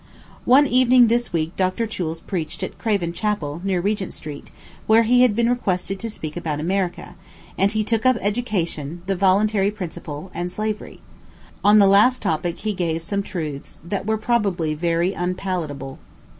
One evening this week Dr. Choules preached at Craven Chapel, near Regent Street, where he had been requested to speak about America, and he took up Education the voluntary principle and Slavery. On the last topic he gave some truths that were probably very unpalatable.